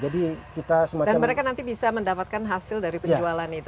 dan mereka nanti bisa mendapatkan hasil dari penjualan itu